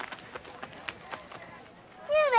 父上！